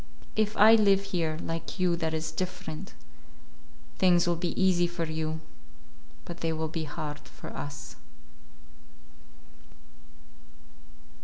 "If I live here, like you, that is different. Things will be easy for you. But they will be hard for us."